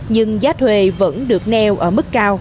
nhưng giá thuê vẫn được neo ở mức cao